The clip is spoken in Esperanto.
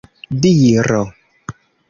diro